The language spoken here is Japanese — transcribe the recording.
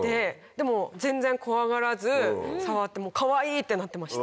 でも全然怖がらず触って「かわいい！」ってなってました。